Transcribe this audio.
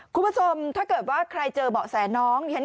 คุณผู้ชมถ้าเกิดว่าใครเจอเบาะแสน้อง